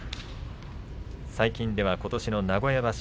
最近ではことしの名古屋場所